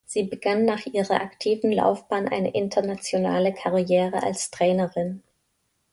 Sie begann nach ihrer aktiven Laufbahn eine internationale Karriere als Trainerin.